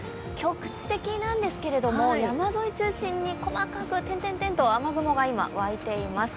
局地的なんですけれども、山沿い中心に細かく点々と雨雲が湧いています。